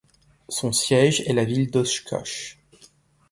Son siège est la ville d'Oshkosh.